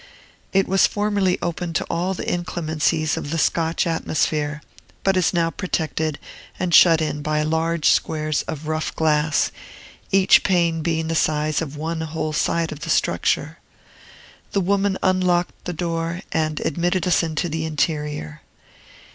It was formerly open to all the inclemencies of the Scotch atmosphere, but is now protected and shut in by large squares of rough glass, each pane being of the size of one whole side of the structure. The woman unlocked the door, and admitted us into the interior.